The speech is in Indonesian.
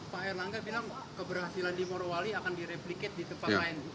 pak erlangga bilang keberhasilan di morowali akan direplikasi di depan